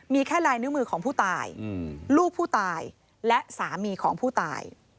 มีแค่ลายนิ้วมือของผู้ตายลูกผู้ตายและสามีของผู้ตาย